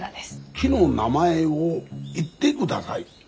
木の名前を言っでください。